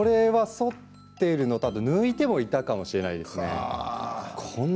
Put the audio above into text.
そっているのと抜いていたかもしれません。